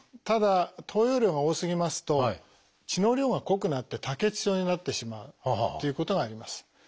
ただ投与量が多すぎますと血の量が濃くなって多血症になってしまうっていうことがあります。